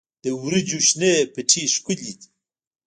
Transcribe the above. د وریجو شنه پټي ښکلي دي.